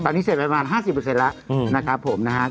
ตอนนี้เสร็จไปประมาณ๕๐แล้วนะครับผมนะครับ